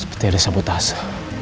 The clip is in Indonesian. seperti ada yang sabotase